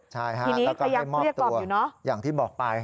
ใช่ฮะแล้วก็ไม่มอบตัวอย่างที่บอกไป